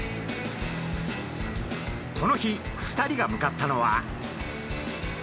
この日２人が向かったのは。